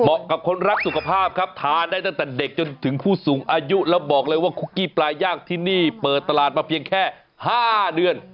กับคนรักสุขภาพครับทานได้ตั้งแต่เด็กจนถึงผู้สูงอายุแล้วบอกเลยว่าคุกกี้ปลาย่างที่นี่เปิดตลาดมาเพียงแค่๕เดือน